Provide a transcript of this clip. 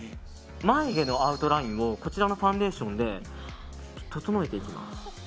眉毛のアウトラインをファンデーションで整えていきます。